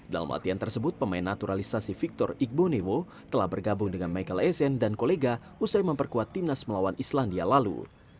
dalam latihan tersebut pemain naturalisasi victor igboneho telah bergabung dengan michael essen dan kolega usai memperkuat timnas melawan islandia lalu